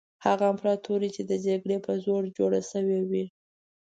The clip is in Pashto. هغه امپراطوري چې د جګړې په زور جوړه شوې وي.